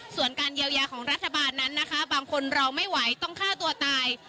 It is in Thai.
ส่วนการเยียวยาของรัฐบาลนั้นนะคะบางคนเราไม่ไหวต้องฆ่าตัวตาย